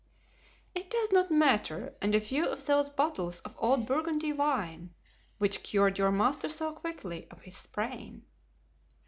"It does not matter; and a few of those bottles of old Burgundy wine, which cured your master so quickly of his sprain!"